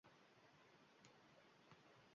Yeng shimarib, ishlay boshlashim mumkin.